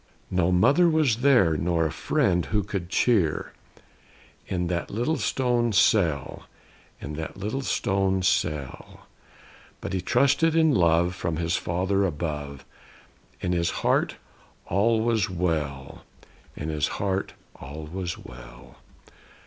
No mother was there, nor a friend who could cheer, In that little stone cell; in that little stone cell. But he trusted in love, from his Father above. In his heart, all was well; in his heart, all was well.